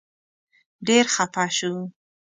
ډېر خپه شو.